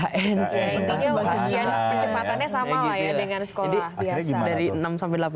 ya intinya ujian kecepatannya sama lah ya